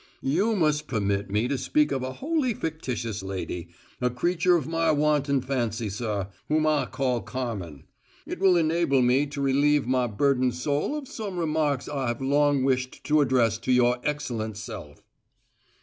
"You must permit me to speak of a wholly fictitious lady, a creature of my wanton fancy, sir, whom I call Carmen. It will enable me to relieve my burdened soul of some remarks I have long wished to address to your excellent self."